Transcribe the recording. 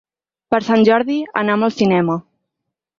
Per Sant Jordi anam al cinema.